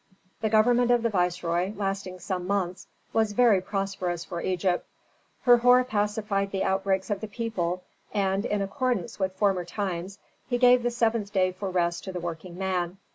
The government of the viceroy, lasting some months, was very prosperous for Egypt. Herhor pacified the outbreaks of the people, and, in accordance with former times, he gave the seventh day for rest to the working man.